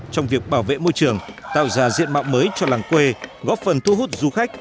trong việc bảo vệ môi trường tạo ra diện mạo mới cho làng quê góp phần thu hút du khách